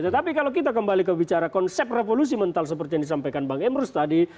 tetapi kalau kita kembali ke bicara konsep revolusi mental seperti yang disampaikan bang emrus tadi